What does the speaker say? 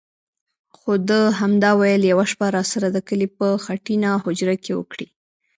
خو ده همدا ویل: یوه شپه راسره د کلي په خټینه هوجره کې وکړئ.